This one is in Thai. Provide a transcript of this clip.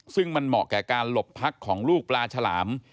ซึ่งมันเหมาะแก่การหลบพักของลูกปลาฉลาม